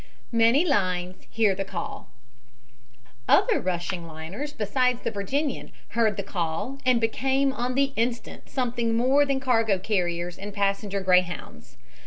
MANY LINES HEAR THE CALL Other rushing liners besides the Virginian heard the call and became on the instant something more than cargo carriers and passenger greyhounds.